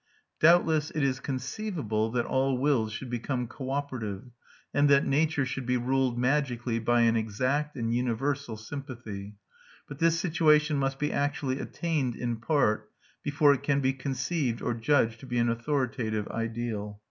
Doubtless it is conceivable that all wills should become co operative, and that nature should be ruled magically by an exact and universal sympathy; but this situation must be actually attained in part, before it can be conceived or judged to be an authoritative ideal.